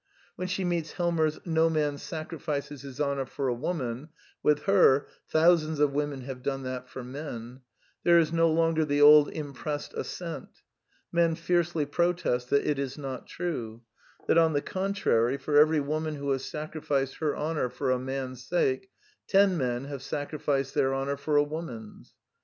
When she ••• Preface: 1913 xiu meets Helmer's " No man sacrifices his honor for a woman " with her " Thousands of women have done that for men," there is no longer the old impressed assent: men fiercely protest that it is not true; that, on the contrary, for every woman who has sacrificed her honor for a man's sake, ten men have sacrificed their honor for a woman's.